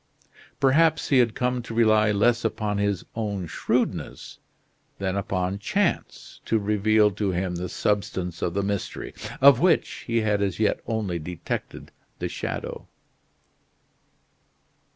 Perhaps he had come to rely less upon his own shrewdness than upon chance to reveal to him the substance of the mystery, of which he had as yet only detected the shadow.